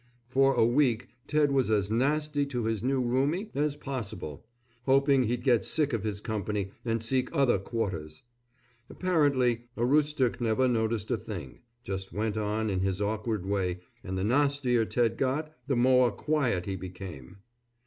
For a week Ted was as nasty to his new roomie as possible, hoping he'd get sick of his company and seek other quarters. Apparently Aroostook never noticed a thing. Just went on in his awkward way, and the nastier Ted got, the more quiet he became.